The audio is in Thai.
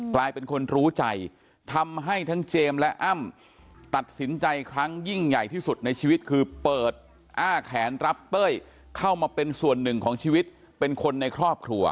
กลายเป็นคนรู้ใจทำให้ทั้งเจมส์และอ้ำตัดสินใจครั้งยิ่งใหญ่ที่สุดในชีวิตคือเปิดอ้าแขนรับเต้ยเข้ามาเป็นส่วนหนึ่งของชีวิตเป็นคนในครอบครัว